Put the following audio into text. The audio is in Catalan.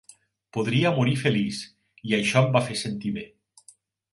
Podria morir feliç, i això em va fer sentir bé.